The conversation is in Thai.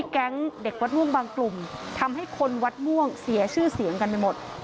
แก๊งเด็กวัดม่วงบางกลุ่มทำให้คนวัดม่วงเสียชื่อเสียงกันไปหมด